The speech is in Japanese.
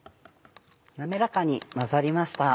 滑らかに混ざりました。